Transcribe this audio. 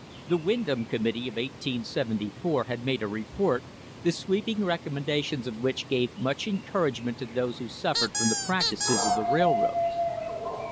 The Windom Committee of 1874 had made a report, the sweeping recom mendations of which gave much encouragement to those who suffered from the practices of the railroads.